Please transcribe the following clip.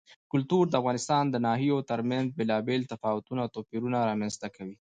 کلتور د افغانستان د ناحیو ترمنځ بېلابېل تفاوتونه او توپیرونه رامنځ ته کوي.